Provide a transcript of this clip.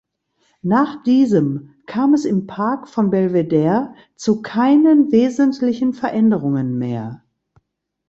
Nach diesem kam es im Park von Belvedere zu keinen wesentlichen Veränderungen mehr.